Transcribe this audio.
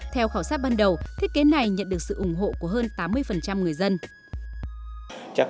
theo khảo sát ban đầu thiết kế này nhận được sự ủng hộ của hơn tám mươi người dân